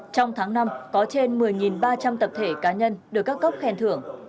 trong tháng năm có trên một mươi ba trăm linh tập thể cá nhân được các cấp khen thưởng